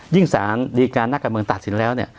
ยิ่งสารดีการณ์นักการเมืองตัดสินแล้ว